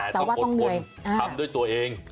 แต่ต้องอดทนทำด้วยตัวเอง